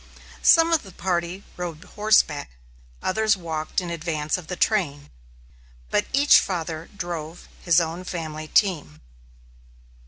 Some of the party rode horseback; others walked in advance of the train; but each father drove his own family team.